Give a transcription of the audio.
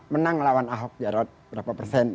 menang lawan ahok jarot berapa persen